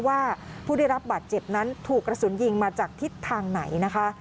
ว่าผู้ได้รับบาดเจ็บนั้นถูกกระสุนยิงมาจากทิศทางไหนนะคะ